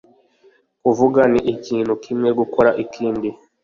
kuvuga ni ikintu kimwe; gukora ikindi